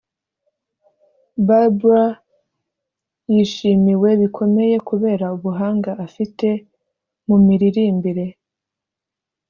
Barbra yishimiwe bikomeye kubera ubuhanga afite mu miririmbire